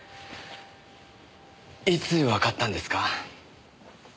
いつわかったんですか？